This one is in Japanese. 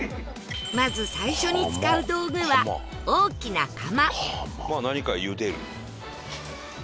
まず最初に使う道具は大きな釜